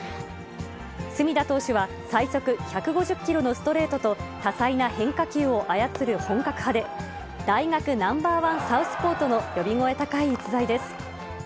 隅田投手は最速１５０キロのストレートと多彩な変化球を操る本格派で、大学ナンバーワンサウスポーとの呼び声高い逸材です。